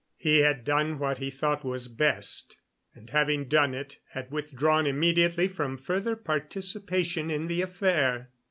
He had done what he thought was best, and, having done it, had withdrawn immediately from further participation in the affair.